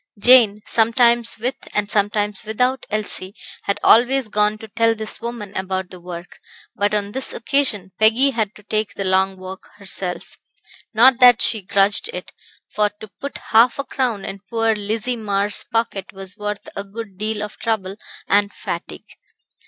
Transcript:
Jane, sometimes with and sometimes without Elsie, had always gone to tell this woman about the work, but on this occasion Peggy had to take the long walk herself not that she grudged it for to put half a crown in poor Lizzie Marr's pocket was worth a good deal of trouble and fatigue.